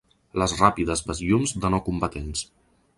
Les ràpides besllums de no-combatents